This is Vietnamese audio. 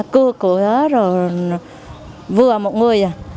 cứa cửa hết rồi vừa một người rồi